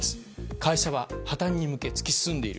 会社は破綻に向け突き進んでいる。